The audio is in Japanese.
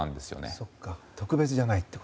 そっか、特別じゃないと。